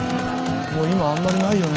もうあんまりないよね